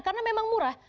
karena memang murah